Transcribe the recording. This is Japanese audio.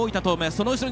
その後ろ